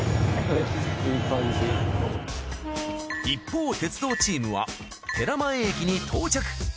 一方鉄道チームは寺前駅に到着。